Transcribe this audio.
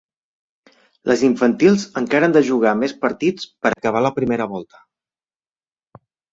Les infantils encara han de jugar més partits per acabar la primera volta.